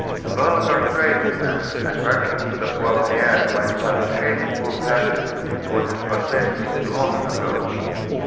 A vulgar tradesman attracted to the Poivriere by some shameful passion would have confessed it long ago."